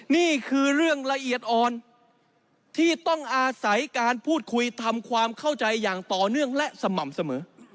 นี่คือเรื่องละเอียดอ่อนที่ต้องอาศัยการพูดคุยทำความเข้าใจอย่างต่อเนื่องและสม่ำเสมอ